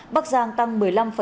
bắc giang tăng một mươi năm bảy